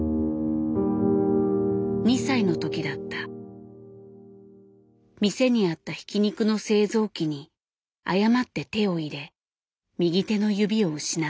２歳の時だった店にあったひき肉の製造器に誤って手を入れ右手の指を失った。